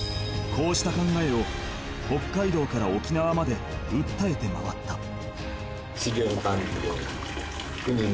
［こうした考えを北海道から沖縄まで訴えて回った］